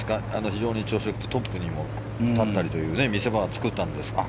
非常に調子が良くてトップにも立ったりという見せ場は作ったんですが。